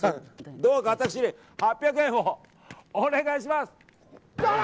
どうか私に８００円をお願いします！